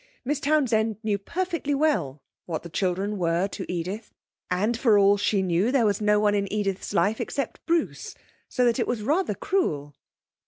Miss Townsend knew perfectly well what the children were to Edith, and, for all she knew, there was no one in Edith's life except Bruce; so that it was rather cruel.